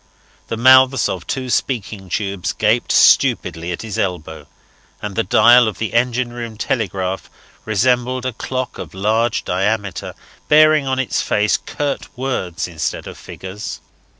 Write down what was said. The mouths of two speaking tubes gaped stupidly at his elbow, and the dial of the engine room telegraph resembled a clock of large diameter, bearing on its face curt words instead of figures.